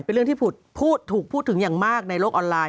เป็นเรื่องที่ถูกพูดถึงอย่างมากในโลกออนไลน